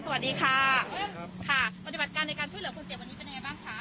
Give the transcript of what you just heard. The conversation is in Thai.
สวัสดีค่ะค่ะปฏิบัติการในการช่วยเหลือคนเจ็บวันนี้เป็นยังไงบ้างคะ